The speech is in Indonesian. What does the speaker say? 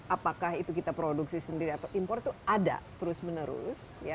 apakah itu kita produksi sendiri atau impor itu ada terus menerus